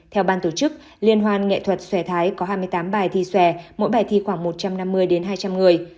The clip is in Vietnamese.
theo ban tổ chức liên hoan nghệ thuật xòe thái có hai mươi tám bài thi xòe mỗi bài thi khoảng một trăm năm mươi đến hai trăm linh người